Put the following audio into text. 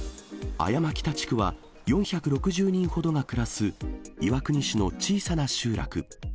阿山北地区は、４６０人ほどが暮らす、岩国市の小さな集落。